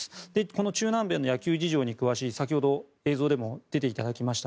この中南米の野球事情に詳しい先ほど映像でも出ていただきました